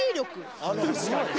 確かに。